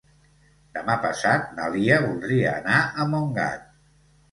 Demà passat na Lia voldria anar a Montgat.